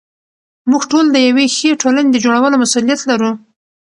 موږ ټول د یوې ښې ټولنې د جوړولو مسوولیت لرو.